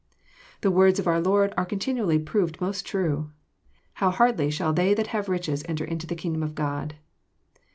The words of our Lord are continually proved most true, " How hardly shall they that have riches enter into the kingdom of God."